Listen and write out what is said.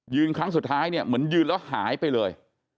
ครั้งสุดท้ายเนี่ยเหมือนยืนแล้วหายไปเลย